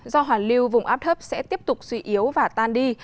do hoàn lưu vùng áp thấp sẽ tiếp tục suy yếu và tan đi